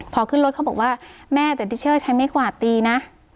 พอขึ้นรถเขาบอกว่าแม่แต่ทิเชอร์ใช้ไม่กวาดตีนะ